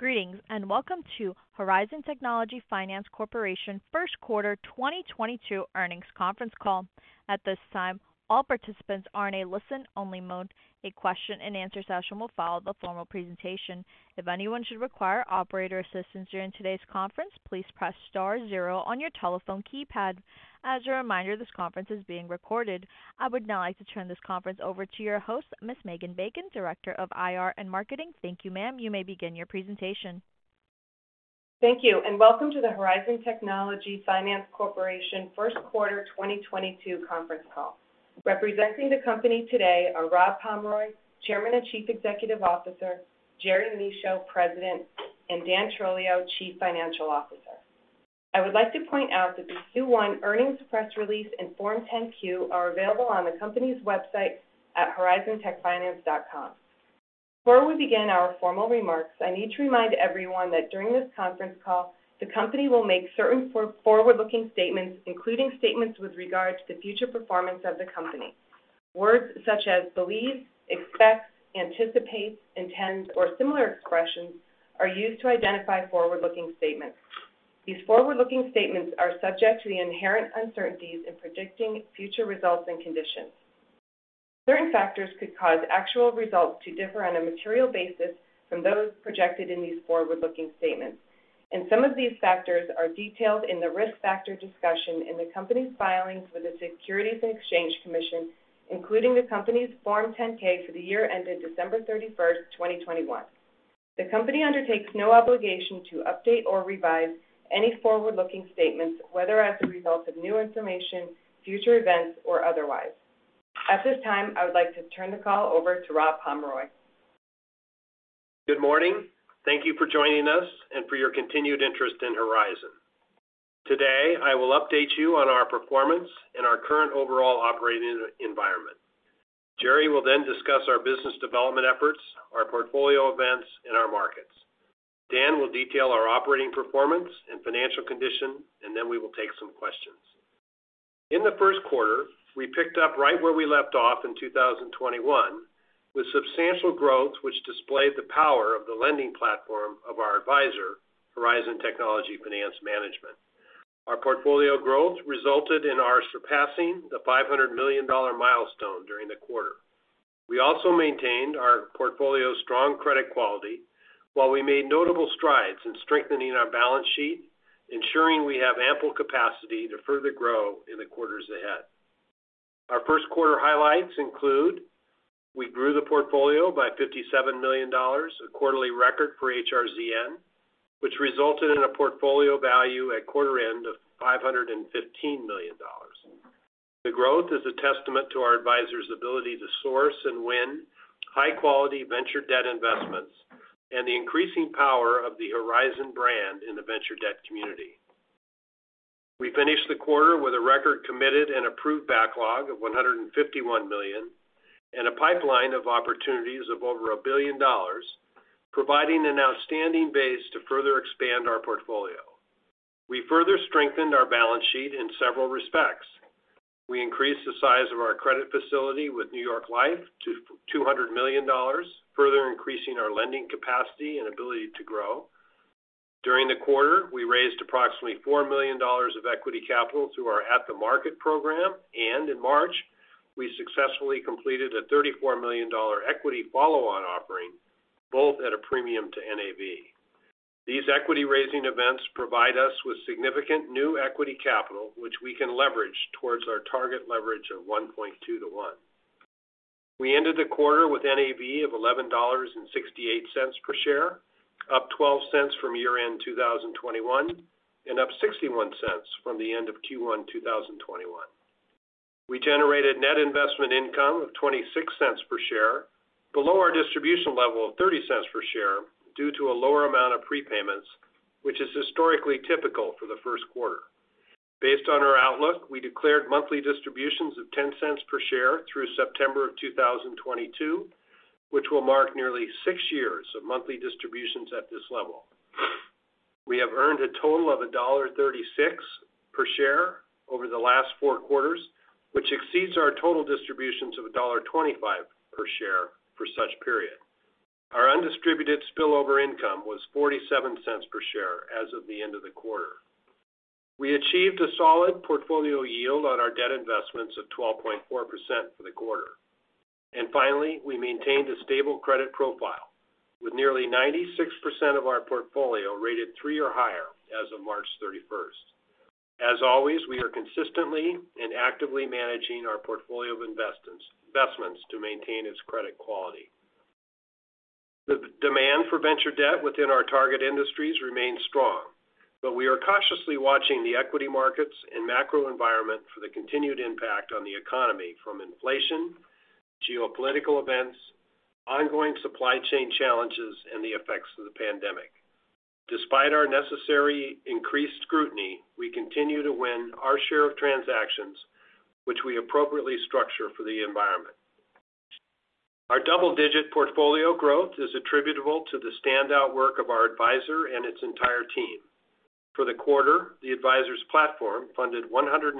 Greetings, and welcome to Horizon Technology Finance Corporation First Quarter 2022 Earnings Conference call. At this time, all participants are in a listen-only mode. A question-and-answer session will follow the formal presentation. If anyone should require operator assistance during today's conference, please press star zero on your telephone keypad. As a reminder, this conference is being recorded. I would now like to turn this conference over to your host, Ms. Megan Bacon, Director of IR and Marketing. Thank you, ma'am. You may begin your presentation. Thank you, and welcome to the Horizon Technology Finance Corporation First Quarter 2022 Conference Call. Representing the company today are Rob Pomeroy, Chairman and Chief Executive Officer, Jerry Michaud, President, and Dan Trolio, Chief Financial Officer. I would like to point out that the Q1 earnings press release and Form 10-Q are available on the company's website at horizontechfinance.com. Before we begin our formal remarks, I need to remind everyone that during this conference call, the company will make certain forward-looking statements, including statements with regard to the future performance of the company. Words such as believe, expect, anticipate, intend, or similar expressions are used to identify forward-looking statements. These forward-looking statements are subject to the inherent uncertainties in predicting future results and conditions. Certain factors could cause actual results to differ on a material basis from those projected in these forward-looking statements, and some of these factors are detailed in the risk factor discussion in the company's filings with the Securities and Exchange Commission, including the company's Form 10-K for the year ended December 31st, 2021. The company undertakes no obligation to update or revise any forward-looking statements, whether as a result of new information, future events, or otherwise. At this time, I would like to turn the call over to Rob Pomeroy. Good morning. Thank you for joining us and for your continued interest in Horizon. Today, I will update you on our performance and our current overall operating environment. Jerry will then discuss our business development efforts, our portfolio events, and our markets. Dan will detail our operating performance and financial condition, and then we will take some questions. In the first quarter, we picked up right where we left off in 2021, with substantial growth which displayed the power of the lending platform of our advisor, Horizon Technology Finance Management. Our portfolio growth resulted in our surpassing the $500 million milestone during the quarter. We also maintained our portfolio's strong credit quality while we made notable strides in strengthening our balance sheet, ensuring we have ample capacity to further grow in the quarters ahead. Our first quarter highlights include we grew the portfolio by $57 million, a quarterly record for HRZN, which resulted in a portfolio value at quarter-end of $515 million. The growth is a testament to our advisor's ability to source and win high-quality venture debt investments and the increasing power of the Horizon brand in the venture debt community. We finished the quarter with a record committed and approved backlog of $151 million and a pipeline of opportunities of over $1 billion, providing an outstanding base to further expand our portfolio. We further strengthened our balance sheet in several respects. We increased the size of our credit facility with New York Life to $200 million, further increasing our lending capacity and ability to grow. During the quarter, we raised approximately $4 million of equity capital through our at-the-market program, and in March, we successfully completed a $34 million equity follow-on offering, both at a premium to NAV. These equity-raising events provide us with significant new equity capital, which we can leverage towards our target leverage of 1.2 to 1. We ended the quarter with NAV of $11.68 per share, up $0.12 from year-end 2021 and up $0.61 from the end of Q1, 2021. We generated net investment income of $0.26 per share, below our distribution level of $0.30 per share due to a lower amount of prepayments, which is historically typical for the first quarter. Based on our outlook, we declared monthly distributions of $0.10 per share through September of 2022, which will mark nearly six years of monthly distributions at this level. We have earned a total of $1.36 per share over the last four quarters, which exceeds our total distributions of $1.25 per share for such period. Our undistributed spillover income was $0.47 per share as of the end of the quarter. We achieved a solid portfolio yield on our debt investments of 12.4% for the quarter. Finally, we maintained a stable credit profile, with nearly 96% of our portfolio rated three or higher as of March 31st. As always, we are consistently and actively managing our portfolio of investments to maintain its credit quality. The demand for venture debt within our target industries remains strong, but we are cautiously watching the equity markets and macro environment for the continued impact on the economy from inflation, geopolitical events, ongoing supply chain challenges, and the effects of the pandemic. Despite our necessary increased scrutiny, we continue to win our share of transactions, which we appropriately structure for the environment. Our double-digit portfolio growth is attributable to the standout work of our advisor and its entire team. For the quarter, the advisor's platform funded $132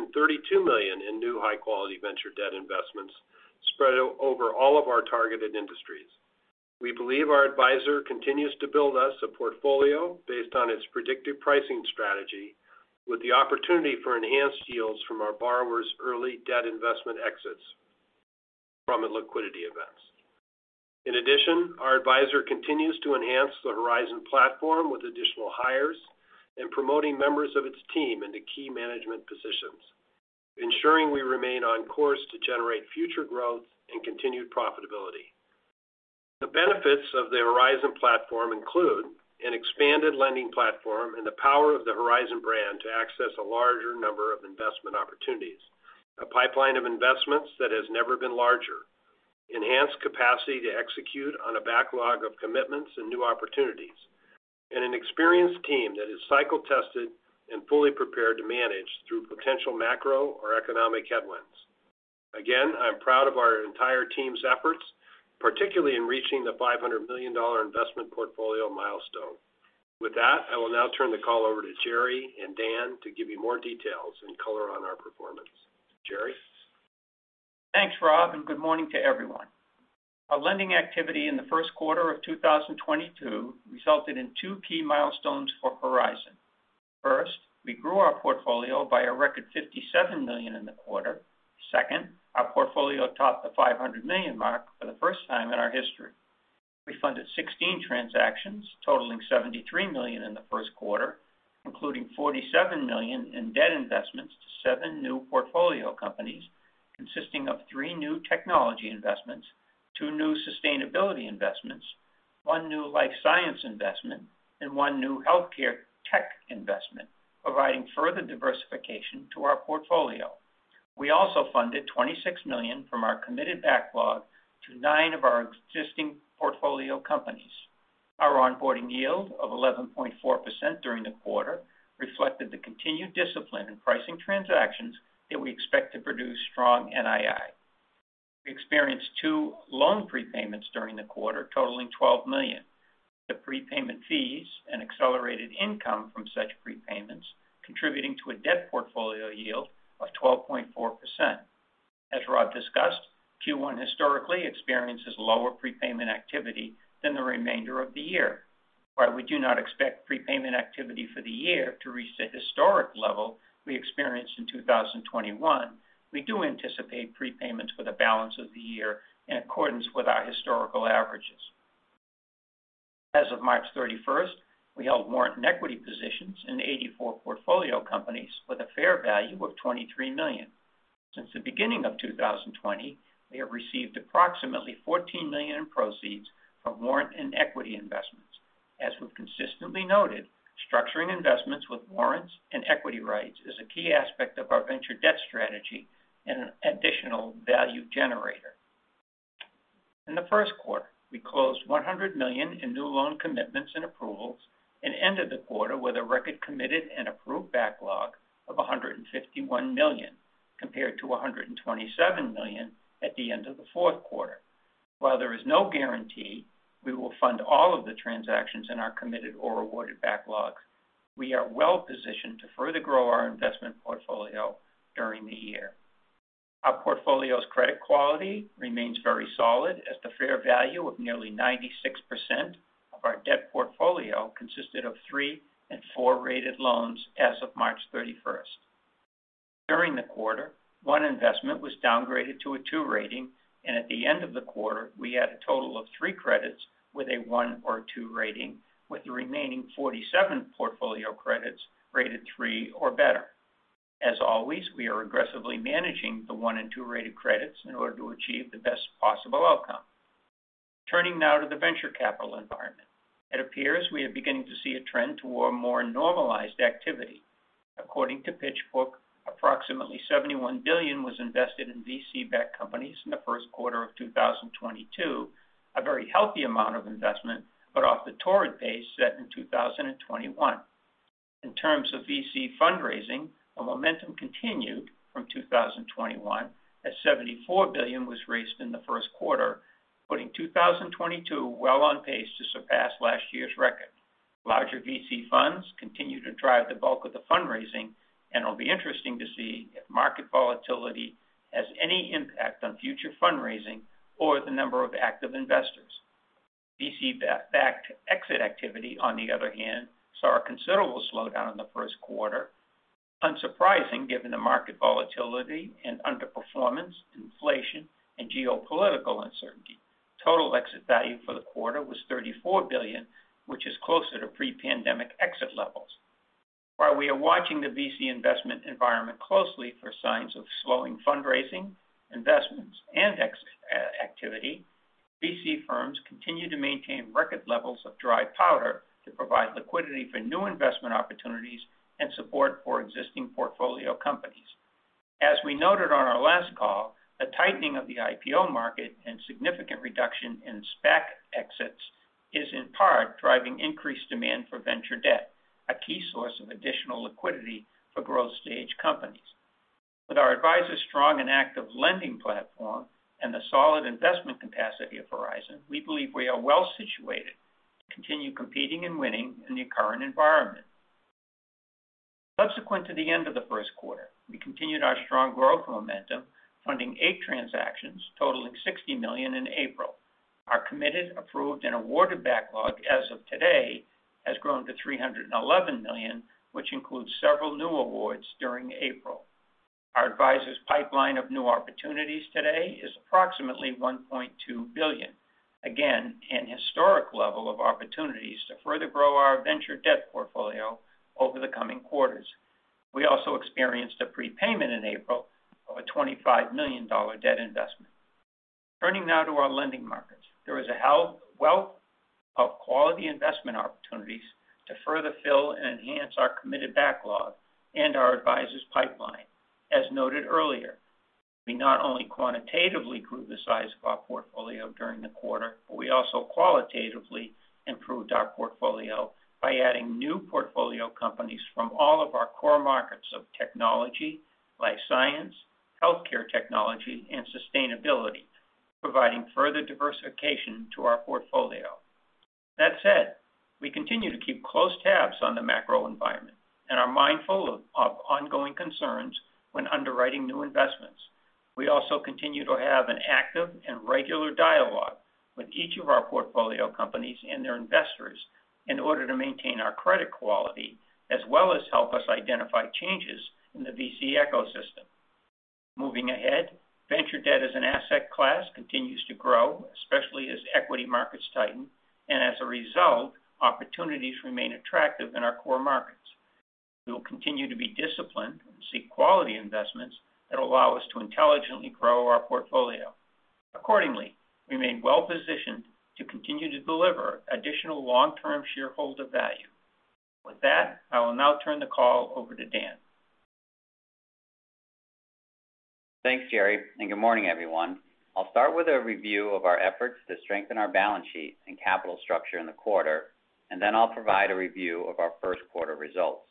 million in new high-quality venture debt investments spread over all of our targeted industries. We believe our advisor continues to build us a portfolio based on its predictive pricing strategy with the opportunity for enhanced yields from our borrowers early debt investment exits from liquidity events. In addition, our advisor continues to enhance the Horizon platform with additional hires and promoting members of its team into key management positions, ensuring we remain on course to generate future growth and continued profitability. The benefits of the Horizon platform include an expanded lending platform and the power of the Horizon brand to access a larger number of investment opportunities, a pipeline of investments that has never been larger, enhanced capacity to execute on a backlog of commitments and new opportunities, and an experienced team that is cycle-tested and fully prepared to manage through potential macro or economic headwinds. Again, I'm proud of our entire team's efforts, particularly in reaching the $500 million investment portfolio milestone. With that, I will now turn the call over to Jerry and Dan to give you more details and color on our performance. Jerry. Thanks, Rob, and good morning to everyone. Our lending activity in the first quarter of 2022 resulted in two key milestones for Horizon. First, we grew our portfolio by a record $57 million in the quarter. Second, our portfolio topped the $500 million mark for the first time in our history. We funded 16 transactions totaling $73 million in the first quarter, including $47 million in debt investments to seven new portfolio companies, consisting of three new technology investments, two new sustainability investments, one new life science investment, and one new healthcare tech investment, providing further diversification to our portfolio. We also funded $26 million from our committed backlog to nine of our existing portfolio companies. Our onboarding yield of 11.4% during the quarter reflected the continued discipline in pricing transactions that we expect to produce strong NII. We experienced two loan prepayments during the quarter, totaling $12 million. The prepayment fees and accelerated income from such prepayments contributing to a debt portfolio yield of 12.4%. As Rob discussed, Q1 historically experiences lower prepayment activity than the remainder of the year. While we do not expect prepayment activity for the year to reach the historic level we experienced in 2021, we do anticipate prepayments for the balance of the year in accordance with our historical averages. As of March 31st, we held warrant and equity positions in 84 portfolio companies with a fair value of $23 million. Since the beginning of 2020, we have received approximately $14 million in proceeds from warrant and equity investments. As we've consistently noted, structuring investments with warrants and equity rights is a key aspect of our venture debt strategy and an additional value generator. In the first quarter, we closed $100 million in new loan commitments and approvals and ended the quarter with a record committed and approved backlog of $151 million, compared to $127 million at the end of the fourth quarter. While there is no guarantee we will fund all of the transactions in our committed or approved backlogs, we are well-positioned to further grow our investment portfolio during the year. Our portfolio's credit quality remains very solid as the fair value of nearly 96% of our debt portfolio consisted of three- and four-rated loans as of March 31. During the quarter, one investment was downgraded to a two rating, and at the end of the quarter, we had a total of three credits with a one or two rating, with the remaining 47 portfolio credits rated three or better. As always, we are aggressively managing the one and two-rated credits in order to achieve the best possible outcome. Turning now to the venture capital environment. It appears we are beginning to see a trend toward more normalized activity. According to PitchBook, approximately $71 billion was invested in VC-backed companies in the first quarter of 2022, a very healthy amount of investment, but off the torrid pace set in 2021. In terms of VC fundraising, a momentum continued from 2021, as $74 billion was raised in the first quarter, putting 2022 well on pace to surpass last year's record. Larger VC funds continue to drive the bulk of the fundraising, and it'll be interesting to see if market volatility has any impact on future fundraising or the number of active investors. VC-backed exit activity, on the other hand, saw a considerable slowdown in the first quarter. Unsurprising, given the market volatility and underperformance, inflation, and geopolitical uncertainty. Total exit value for the quarter was $34 billion, which is closer to pre-pandemic exit levels. While we are watching the VC investment environment closely for signs of slowing fundraising, investments, and exit activity, VC firms continue to maintain record levels of dry powder to provide liquidity for new investment opportunities and support for existing portfolio companies. As we noted on our last call, a tightening of the IPO market and significant reduction in SPAC exits is in part driving increased demand for venture debt, a key source of additional liquidity for growth stage companies. With our adviser's strong and active lending platform and the solid investment capacity of Horizon, we believe we are well-situated to continue competing and winning in the current environment. Subsequent to the end of the first quarter, we continued our strong growth momentum, funding 8 transactions totaling $60 million in April. Our committed, approved, and awarded backlog as of today has grown to $311 million, which includes several new awards during April. Our adviser's pipeline of new opportunities today is approximately $1.2 billion. Again, an historic level of opportunities to further grow our venture debt portfolio over the coming quarters. We also experienced a prepayment in April of a $25 million debt investment. Turning now to our lending markets. There is a wealth of quality investment opportunities to further fill and enhance our committed backlog and our adviser's pipeline. As noted earlier, we not only quantitatively grew the size of our portfolio during the quarter, but we also qualitatively improved our portfolio by adding new portfolio companies from all of our core markets of technology, life science, healthcare technology, and sustainability, providing further diversification to our portfolio. That said, we continue to keep close tabs on the macro environment and are mindful of ongoing concerns when underwriting new investments. We also continue to have an active and regular dialogue with each of our portfolio companies and their investors in order to maintain our credit quality, as well as help us identify changes in the VC ecosystem. Moving ahead, venture debt as an asset class continues to grow, especially as equity markets tighten. As a result, opportunities remain attractive in our core markets. We will continue to be disciplined and seek quality investments that allow us to intelligently grow our portfolio. Accordingly, we remain well-positioned to continue to deliver additional long-term shareholder value. With that, I will now turn the call over to Dan. Thanks, Jerry, and good morning, everyone. I'll start with a review of our efforts to strengthen our balance sheet and capital structure in the quarter, and then I'll provide a review of our first quarter results.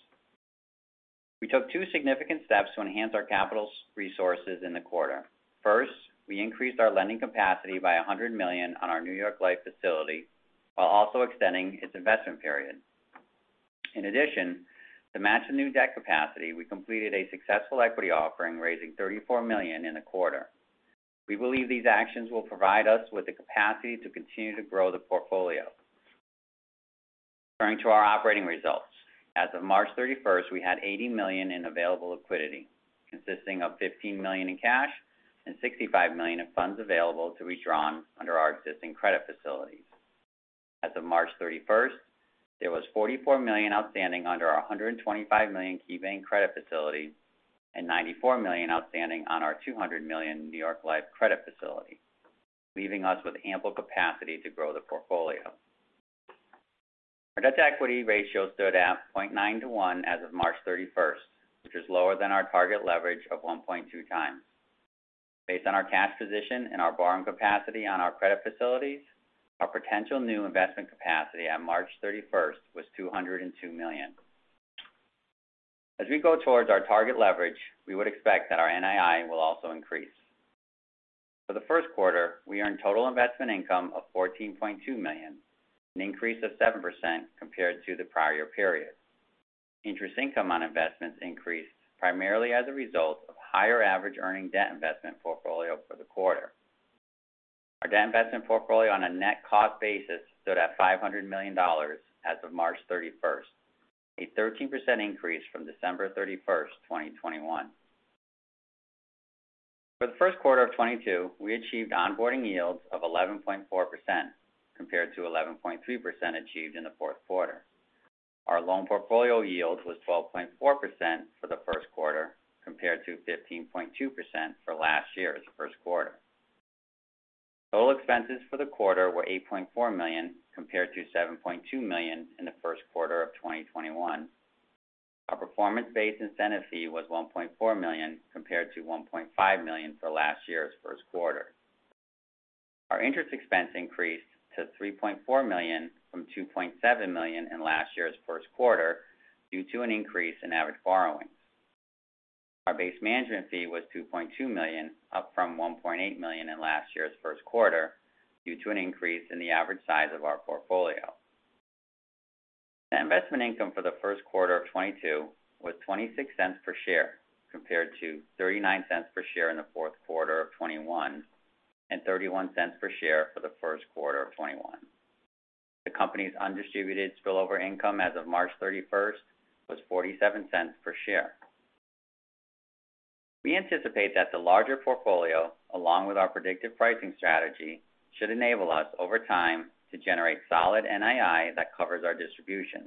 We took two significant steps to enhance our capital resources in the quarter. First, we increased our lending capacity by $100 million on our New York Life facility while also extending its investment period. In addition, to match the new debt capacity, we completed a successful equity offering, raising $34 million in the quarter. We believe these actions will provide us with the capacity to continue to grow the portfolio. Turning to our operating results. As of March 31st, we had $80 million in available liquidity, consisting of $15 million in cash and $65 million of funds available to be drawn under our existing credit facilities. As of March 31st, there was $44 million outstanding under our $125 million KeyBank credit facility and $94 million outstanding on our $200 million New York Life credit facility, leaving us with ample capacity to grow the portfolio. Our debt-to-equity ratio stood at 0.9 to one as of March 31st, which is lower than our target leverage of 1.2x. Based on our cash position and our borrowing capacity on our credit facilities, our potential new investment capacity on March 31st was $202 million. As we go towards our target leverage, we would expect that our NII will also increase. For the first quarter, we earned total investment income of $14.2 million, an increase of 7% compared to the prior year period. Interest income on investments increased primarily as a result of higher average earning debt investment portfolio for the quarter. Our debt investment portfolio on a net cost basis stood at $500 million as of March 31st, a 13% increase from December 31st, 2021. For the first quarter of 2022, we achieved onboarding yields of 11.4% compared to 11.3% achieved in the fourth quarter. Our loan portfolio yield was 12.4% for the first quarter, compared to 15.2% for last year's first quarter. Total expenses for the quarter were $8.4 million, compared to $7.2 million in the first quarter of 2021. Our performance-based incentive fee was $1.4 million, compared to $1.5 million for last year's first quarter. Our interest expense increased to $3.4 million from $2.7 million in last year's first quarter due to an increase in average borrowing. Our base management fee was $2.2 million, up from $1.8 million in last year's first quarter, due to an increase in the average size of our portfolio. The investment income for the first quarter of 2022 was $0.26 per share, compared to $0.39 per share in the fourth quarter of 2021 and $0.31 per share for the first quarter of 2021. The company's undistributed spillover income as of March 31st was $0.47 per share. We anticipate that the larger portfolio, along with our predictive pricing strategy, should enable us over time to generate solid NII that covers our distribution.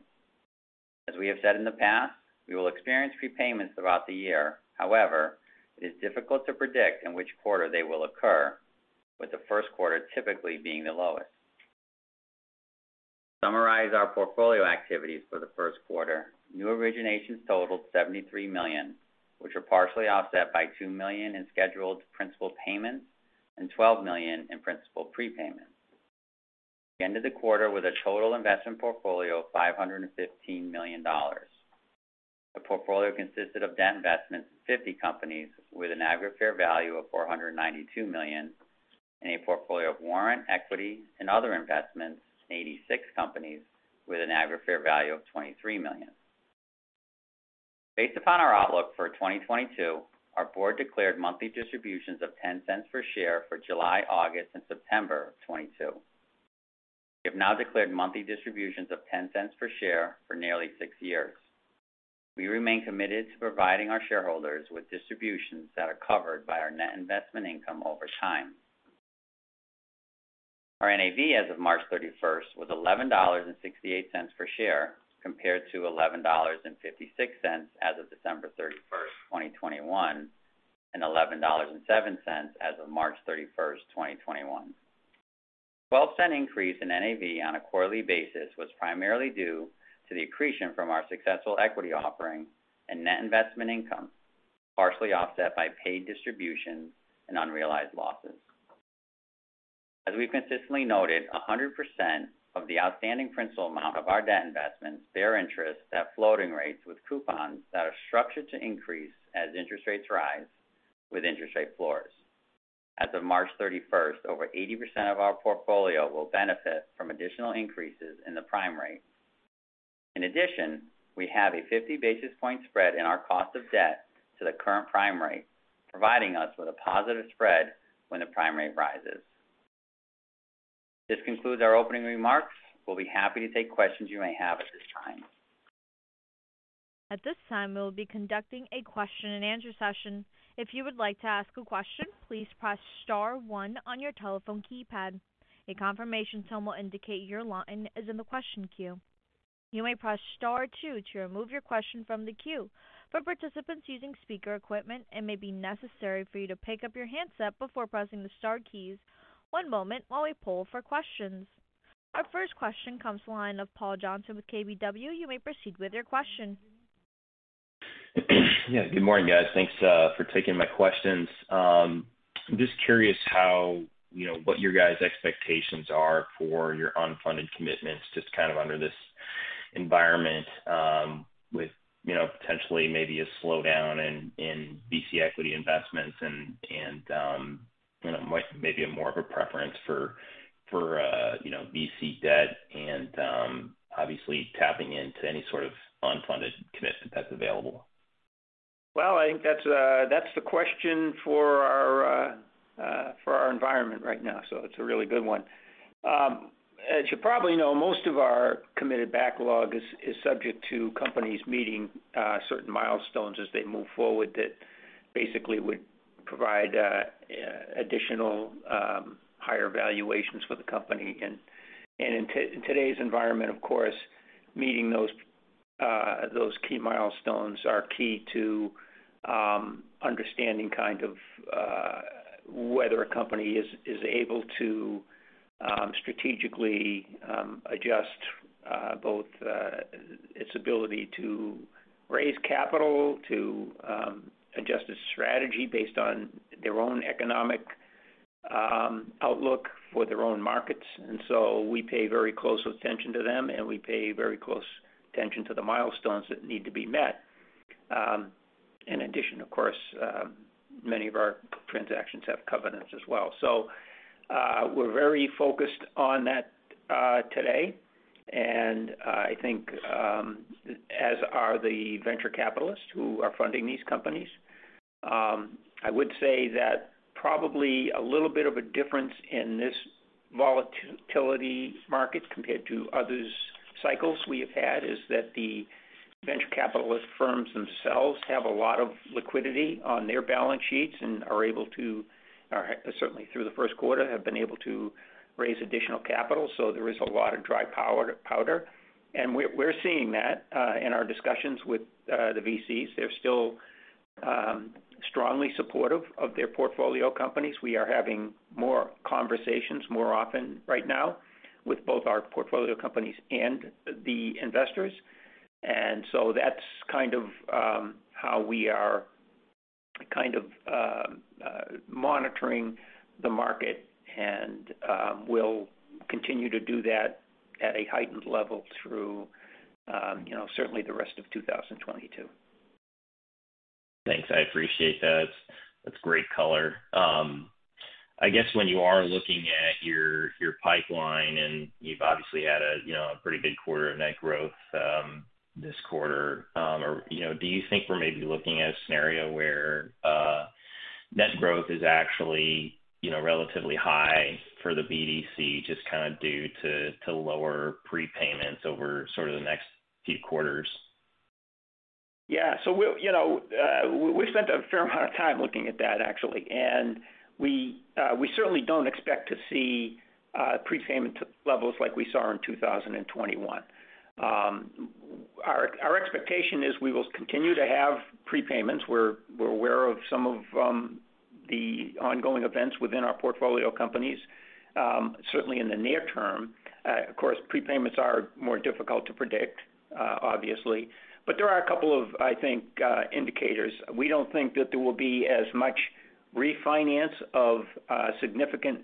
We have said in the past, we will experience prepayments throughout the year. However, it is difficult to predict in which quarter they will occur, with the first quarter typically being the lowest. To summarize our portfolio activities for the first quarter, new originations totaled $73 million, which were partially offset by $2 million in scheduled principal payments and $12 million in principal prepayments. End of the quarter with a total investment portfolio of $515 million. The portfolio consisted of debt investments in 50 companies with an aggregate fair value of $492 million, and a portfolio of warrant equity and other investments in 86 companies with an aggregate fair value of $23 million. Based upon our outlook for 2022, our board declared monthly distributions of $0.10 per share for July, August and September of 2022. We have now declared monthly distributions of $0.10 per share for nearly six years. We remain committed to providing our shareholders with distributions that are covered by our net investment income over time. Our NAV as of March 31st was $11.68 per share, compared to $11.56 as of December 31st, 2021, and $11.07 as of March 31st, 2021. The $0.12 increase in NAV on a quarterly basis was primarily due to the accretion from our successful equity offering and net investment income, partially offset by paid distributions and unrealized losses. As we've consistently noted, 100% of the outstanding principal amount of our debt investments bear interest at floating rates with coupons that are structured to increase as interest rates rise with interest rate floors. As of March 31st, over 80% of our portfolio will benefit from additional increases in the prime rate. In addition, we have a 50 basis point spread in our cost of debt to the current prime rate, providing us with a positive spread when the prime rate rises. This concludes our opening remarks. We'll be happy to take questions you may have at this time. At this time, we will be conducting a question-and-answer session. If you would like to ask a question, please press star one on your telephone keypad. A confirmation tone will indicate your line is in the question queue. You may press star two to remove your question from the queue. For participants using speaker equipment, it may be necessary for you to pick up your handset before pressing the star keys. One moment while we poll for questions. Our first question comes to the line of Paul Johnson with KBW. You may proceed with your question. Yeah. Good morning, guys. Thanks for taking my questions. I'm just curious how, you know, what your guys' expectations are for your unfunded commitments, just kind of under this environment, with, you know, potentially maybe a slowdown in VC equity investments and, you know, maybe a more of a preference for VC debt and obviously tapping into any sort of unfunded commitment that's available. Well, I think that's the question for our environment right now, so it's a really good one. As you probably know, most of our committed backlog is subject to companies meeting certain milestones as they move forward that basically would provide additional higher valuations for the company. In today's environment, of course, meeting those key milestones are key to understanding kind of whether a company is able to strategically adjust both its ability to raise capital, to adjust its strategy based on their own economic outlook for their own markets. We pay very close attention to them, and we pay very close attention to the milestones that need to be met. In addition, of course, many of our transactions have covenants as well. We're very focused on that today, and I think, as are the venture capitalists who are funding these companies. I would say that probably a little bit of a difference in this volatile market compared to other cycles we have had is that the venture capitalist firms themselves have a lot of liquidity on their balance sheets and, or certainly through the first quarter, have been able to raise additional capital. There is a lot of dry powder. We're seeing that in our discussions with the VCs. They're still strongly supportive of their portfolio companies. We are having more conversations more often right now with both our portfolio companies and the investors. That's kind of how we are kind of monitoring the market, and we'll continue to do that at a heightened level through, you know, certainly the rest of 2022. Thanks. I appreciate that. That's great color. I guess when you are looking at your pipeline, and you've obviously had, you know, a pretty big quarter of net growth this quarter, or, you know, do you think we're maybe looking at a scenario where net growth is actually, you know, relatively high for the BDC, just kind of due to lower prepayments over sort of the next few quarters? Yeah. You know, we've spent a fair amount of time looking at that, actually. We certainly don't expect to see prepayment levels like we saw in 2021. Our expectation is we will continue to have prepayments. We're aware of some of the ongoing events within our portfolio companies, certainly in the near-term. Of course, prepayments are more difficult to predict, obviously. There are a couple of, I think, indicators. We don't think that there will be as much refinance of significant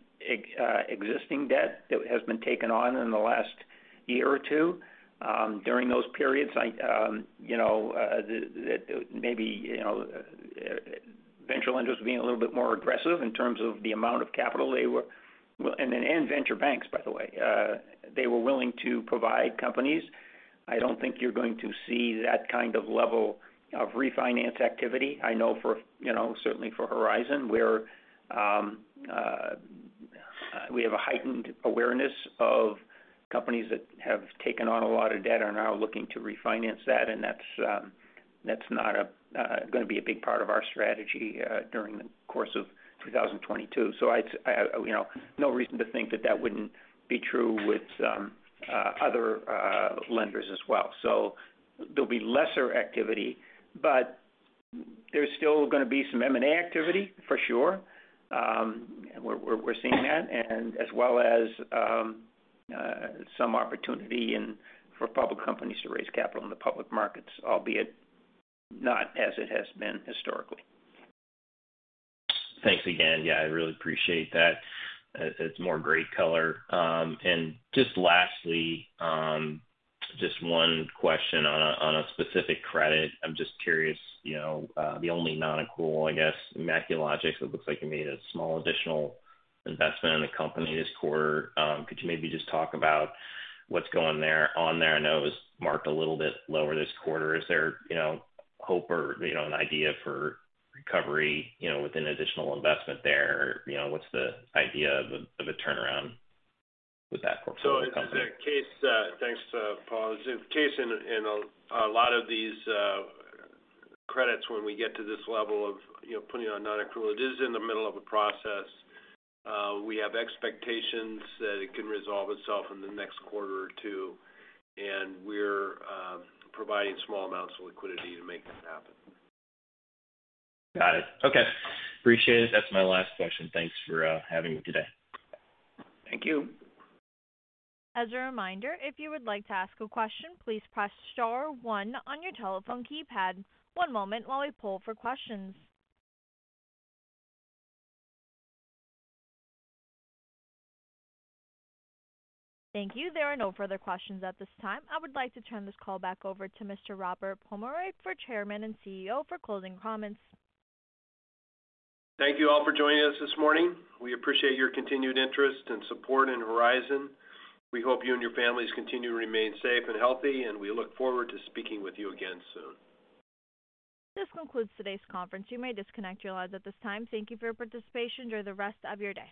existing debt that has been taken on in the last year or two. During those periods, you know, that, maybe, venture lenders being a little bit more aggressive in terms of the amount of capital they were and venture banks, by the way, they were willing to provide companies. I don't think you're going to see that kind of level of refinance activity. I know, you know, certainly for Horizon, we have a heightened awareness of companies that have taken on a lot of debt are now looking to refinance that. That's not gonna be a big part of our strategy during the course of 2022. I, you know, no reason to think that that wouldn't be true with other lenders as well. There'll be lesser activity, but there's still gonna be some M&A activity for sure. We're seeing that and as well as some opportunities for public companies to raise capital in the public markets, albeit not as it has been historically. Thanks again. Yeah, I really appreciate that. It's more great color. And just lastly, just one question on a specific credit. I'm just curious, you know, the only non-accrual, I guess, MacuLogix. It looks like you made a small additional investment in the company this quarter. Could you maybe just talk about what's going on there? I know it was marked a little bit lower this quarter. Is there, you know, hope or, you know, an idea for recovery, you know, with an additional investment there? You know, what's the idea of a turnaround with that portfolio company? Is that the case? Thanks, Paul. That's the case in a lot of these credits when we get to this level of, you know, putting on non-accrual. It is in the middle of a process. We have expectations that it can resolve itself in the next quarter or two, and we're providing small amounts of liquidity to make that happen. Got it. Okay. Appreciate it. That's my last question. Thanks for having me today. Thank you. As a reminder, if you would like to ask a question, please press star one on your telephone keypad. One moment while we poll for questions. Thank you. There are no further questions at this time. I would like to turn this call back over to Mr. Robert Pomeroy for Chairman and CEO for closing comments. Thank you all for joining us this morning. We appreciate your continued interest and support in Horizon. We hope you and your families continue to remain safe and healthy, and we look forward to speaking with you again soon. This concludes today's conference. You may disconnect your lines at this time. Thank you for your participation. Enjoy the rest of your day.